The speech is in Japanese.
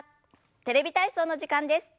「テレビ体操」の時間です。